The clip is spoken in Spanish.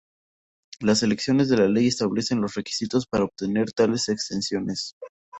Las secciones de la ley establecen los requisitos para obtener tales exenciones.